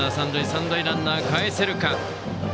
三塁ランナーをかえせるか。